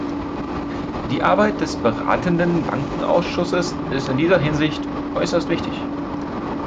Die Arbeit des Beratenden Bankenausschusses ist in dieser Hinsicht äußerst wichtig.